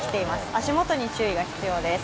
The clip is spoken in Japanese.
足元に注意が必要です。